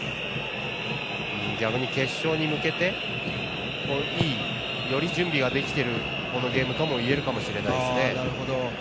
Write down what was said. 逆に決勝に向けていい準備ができているといえるこのゲームともいえるかもしれないですね。